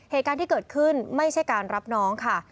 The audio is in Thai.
เหตุการณ์ที่เกิดขึ้นไม่ใช่การรับน้องค่ะ